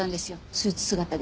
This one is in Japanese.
スーツ姿で。